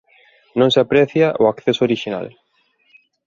Non se aprecia o acceso orixinal.